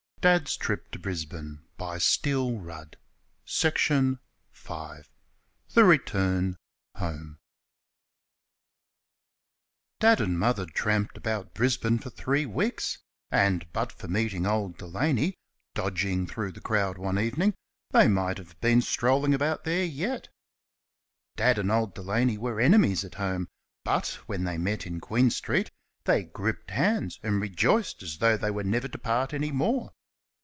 Dad said, turning to Mother. XIX. THE RETURN HOME Dad and Mother tramped about Brisbane for three weeks, and but for meeting old Delaney dodging through the crowd one evening they might have been strolling about there yet. Dad and old Delaney were enemies at home, but when they met in Queen street they gripped hands and rejoiced as though they were never to part any more.